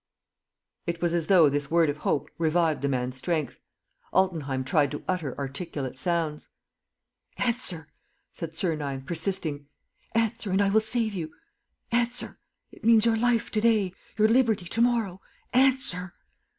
..." It was as though this word of hope revived the man's strength. Altenheim tried to utter articulate sounds. "Answer," said Sernine, persisting. "Answer, and I will save you. ... Answer. ... It means your life to day ... your liberty to morrow. ... Answer!